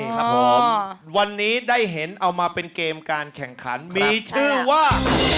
ครับผมวันนี้ได้เห็นเอามาเป็นเกมการแข่งขันมีชื่อว่า